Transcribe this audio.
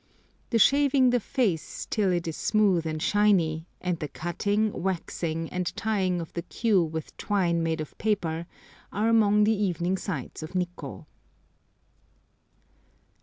The shaving the face till it is smooth and shiny, and the cutting, waxing, and tying of the queue with twine made of paper, are among the evening sights of Nikkô.